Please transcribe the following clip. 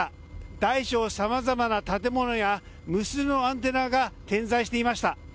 大小さまざまな建物や無数のアンテナが点在していました。